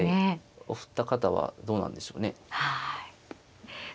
お二方はどうなんでしょうね。